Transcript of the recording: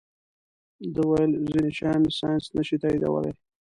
ده ویل ځینې شیان ساینس نه شي تائیدولی.